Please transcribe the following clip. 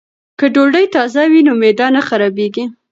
که ډوډۍ تازه وي نو معده نه خرابیږي.